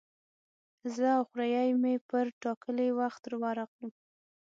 زه او خوریی مې پر ټاکلي وخت ورغلو.